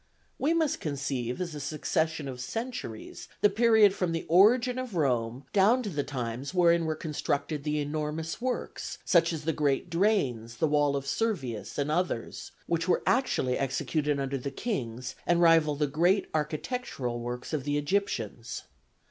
We must conceive as a succession of centuries the period from the origin of Rome down to the times wherein were constructed the enormous works, such as the great drains, the wall of Servius, and others, which were actually executed under the kings and rival the great architectural works of the Egyptians.